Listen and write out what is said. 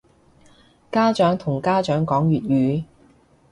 家長同家長講粵語